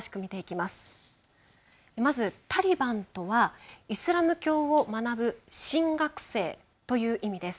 まず、タリバンとはイスラム教を学ぶ神学生という意味です。